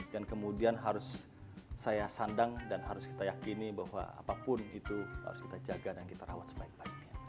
dan kemudian harus saya sandang dan harus kita yakini bahwa apapun itu harus kita jaga dan kita rawat sebaik baiknya